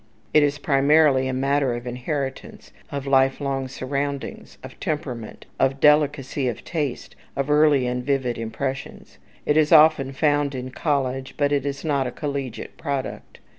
It is primarily a matter of inheritance, of lifelong surroundings, of temperament, of delicacy of taste, of early and vivid impressions. It is often found in college, but it is not a collegiate product.